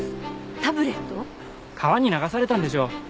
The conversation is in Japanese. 川に流されたんでしょう。